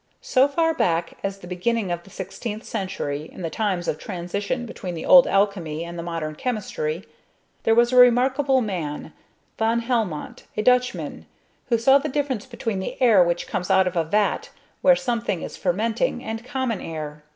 So far back as the beginning of the 16th century, in the times of transition between the old alchemy and the modern chemistry, there was a remarkable man, Von Helmont, a Dutchman, who saw the difference between the air which comes out of a vat where something is fermenting and common air.